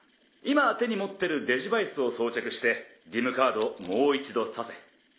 今手に持ってるデジヴァイスを装着してＤｉＭＣＡＲＤをもう一度させ。